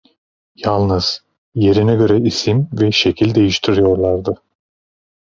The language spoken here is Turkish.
Yalnız yerine göre isim ve şekil değiştiriyorlardı.